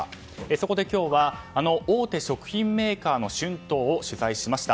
そこで今日はあの大手食品メーカーの春闘を取材しました。